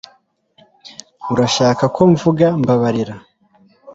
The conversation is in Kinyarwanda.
Urashaka ko mvuga ko mbabarira